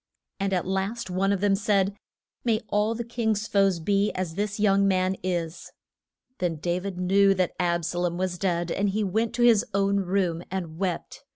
And at last one of them said, May all the king's foes be as this young man is. Then Da vid knew that Ab sa lom was dead, and he went to his own room and wept.